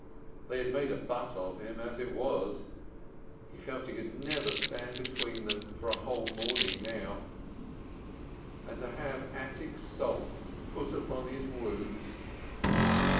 They made a butt of him as it was; he felt he could never stand between them for a whole morning now, and have Attic salt put upon his wounds.